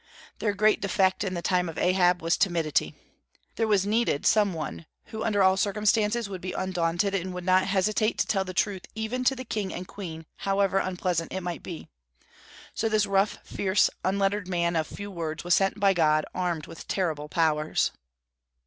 Their great defect in the time of Ahab was timidity. There was needed some one who under all circumstances would be undaunted, and would not hesitate to tell the truth even to the king and queen, however unpleasant it might be. So this rough, fierce, unlettered man of few words was sent by God, armed with terrible powers.